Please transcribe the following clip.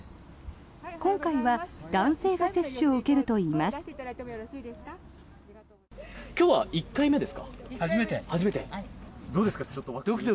今回は男性が接種を受けるといいます。